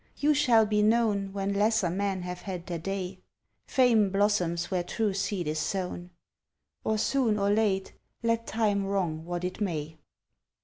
You shall be known When lesser men have had their day: Fame blossoms where true seed is sown, Or soon or late, let Time wrong what it may.